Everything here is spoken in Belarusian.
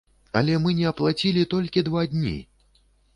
Але мы не аплацілі толькі два дні!